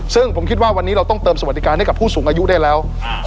ซึ่งผมคิดว่าวันนี้เราต้องเติมสวัสดิการให้กับผู้สูงอายุได้แล้ว